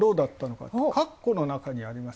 かっこの中にあります